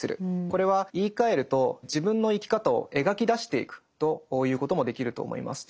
これは言いかえると自分の生き方を描き出していくと言うこともできると思います。